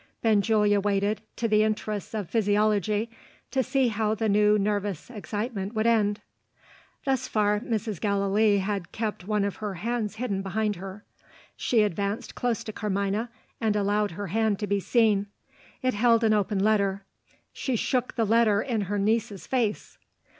Benjulia waited, in the interests of physiology, to see how the new nervous excitement would end. Thus far, Mrs. Gallilee had kept one of her hands hidden behind her. She advanced close to Carmina, and allowed her hand to be seen. It held an open letter. She shook the letter in her niece's face.